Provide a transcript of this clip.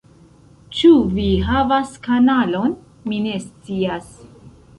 Ĉu vi havas kanalon? Mi ne scias